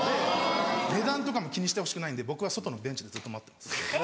値段も気にしてほしくないんで僕は外のベンチでずっと待ってます。